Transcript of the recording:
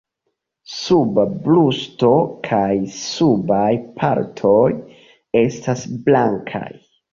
Suba brusto kaj subaj partoj estas blankaj.